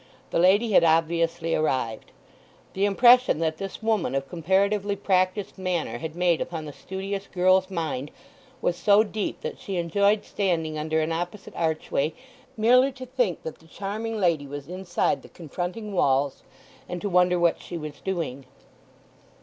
The lady had obviously arrived. The impression that this woman of comparatively practised manner had made upon the studious girl's mind was so deep that she enjoyed standing under an opposite archway merely to think that the charming lady was inside the confronting walls, and to wonder what she was doing.